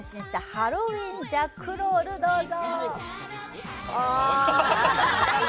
ハロウィンジャックロールどうぞ。